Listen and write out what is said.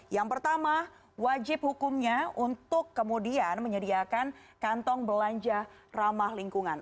yang pertama wajib hukumnya untuk kemudian menyediakan kantong belanja ramah lingkungan